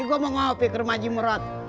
ini gue mau ngopi ke rumah haji merot